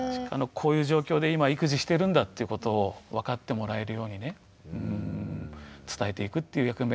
こういう状況で今育児してるんだということを分かってもらえるようにね伝えていくという役目。